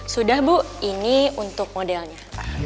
sudah bu ini untuk modelnya